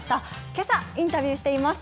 けさ、インタビューしています。